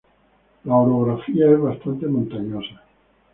La orografía es bastante montañosa.